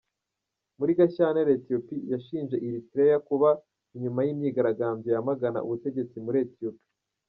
Muri Gashyantare Ethiopie yashinje Eritrea kuba inyuma y’imyigaragambyo yamagana ubutegetsi muri Ethiopie.